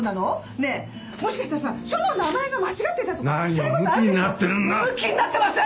ねえもしかしたらさ署の名前が間違ってたとかそういう事あるでしょ？